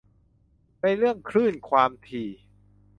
ในเรื่องคลื่นความถี่